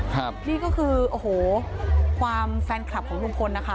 ครับนี่ก็คือโอ้โหความแฟนคลับของลุงพลนะคะ